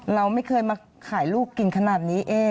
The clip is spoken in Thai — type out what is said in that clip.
เราไม่เคยมาขายลูกกินขนาดนี้เอง